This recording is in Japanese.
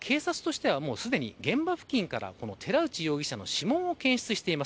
ただ警察としては、すでに現場付近から寺内容疑者の指紋を検出しています。